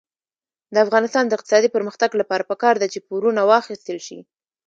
د افغانستان د اقتصادي پرمختګ لپاره پکار ده چې پورونه واخیستل شي.